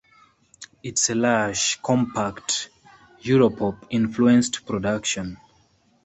It's a lush, compact, Europop-influenced production.